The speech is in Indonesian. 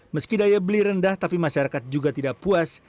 meski daya beli rendah tapi masyarakat juga tidak puas